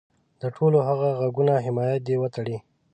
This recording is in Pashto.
د ټولو هغه غږونو حمایت دې وتړي.